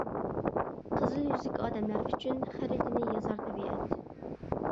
قىزىل يۈزلۈك ئادەملەر ئۈچۈن، خەرىتىنى يازار تەبىئەت.